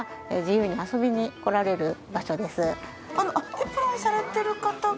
エプロンされてる方が？